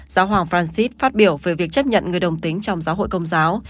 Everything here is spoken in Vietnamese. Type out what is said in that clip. giáo hoàng francis phát biểu về việc chấp nhận người đồng tính trong giáo hội công giáo